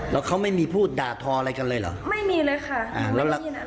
แล้วเขาไม่มีพูดด่าทออะไรกันเลยเหรอไม่มีเลยค่ะอ่าแล้ว